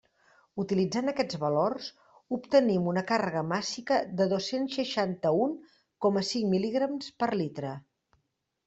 Utilitzant aquests valors obtenim una càrrega màssica de dos-cents seixanta-un coma cinc mil·ligrams per litre.